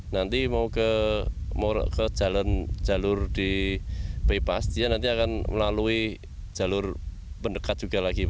nanti mau ke jalur di bypass dia nanti akan melalui jalur pendekat juga lagi